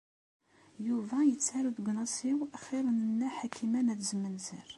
Yuba yettaru deg unasiw xir n Nna Ḥakima n At Zmenzer.